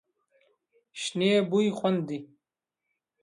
شنې بوی خوند دی.